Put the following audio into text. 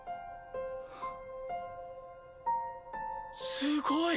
すごい。